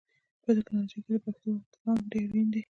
په ټکنالوژي کې پښتو ادغام اړین دی.